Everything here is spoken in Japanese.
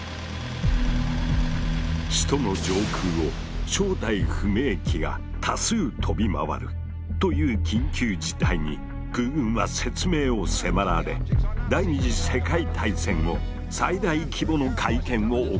首都の上空を正体不明機が多数飛び回るという緊急事態に空軍は説明を迫られ第２次世界大戦後最大規模の会見を行うことになった。